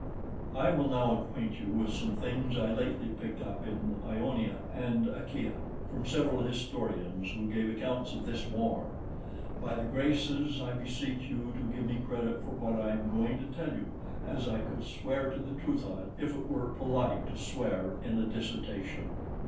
I will now acquaint you with some things I lately picked up in Ionia and Achaia, from several historians, who gave accounts of this war. By the graces I beseech you to give me credit for what I am going to tell you, as I could swear to the truth of it, if it were polite to swear in a dissertation.